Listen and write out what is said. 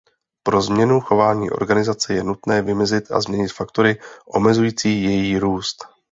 Pro změnu chování organizace je nutné vymezit a změnit faktory omezující její růst.